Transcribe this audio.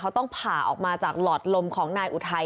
เขาต้องผ่าออกมาจากหลอดลมของนายอุทัย